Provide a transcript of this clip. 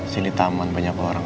sini taman banyak orang